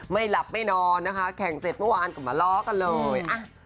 ไม่หลับไม่นอนนะคะแข่งเสร็จเมื่อวานก็มาล้อกันเลย